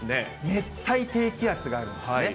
熱帯低気圧があるんですね。